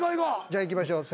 じゃあいきましょう。